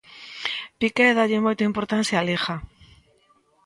Piqué dálle moita importancia á Liga.